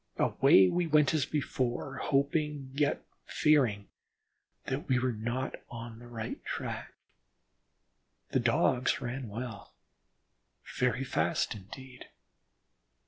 Away we went as before, hoping, yet fearing that we were not on the right track. The Dogs ran well, very fast indeed.